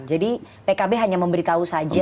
jadi pkb hanya memberitahu saja